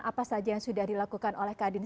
apa saja yang sudah dilakukan oleh kadin